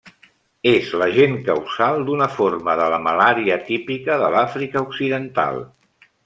És l'agent causal d'una forma de la malària típica de l'Àfrica Occidental.